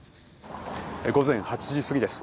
午前８時過ぎです。